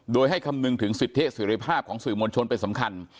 โดยให้คำนึงถึงสิทธิสิริภาพของสื่อมวลชนเป็นสำคัญ